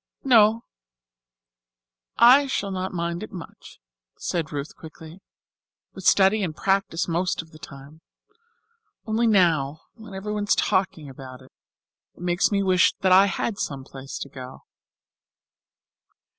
"Oh, I shall not mind it much," said Ruth quickly, "with study and practice most of the time. Only now, when everyone is talking about it, it makes me wish that I had some place to go."